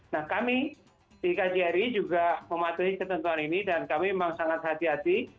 nah kami di kjri juga mematuhi ketentuan ini dan kami memang sangat hati hati